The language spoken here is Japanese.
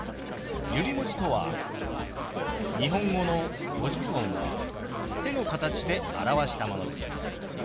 指文字とは日本語の五十音を手の形で表したものです。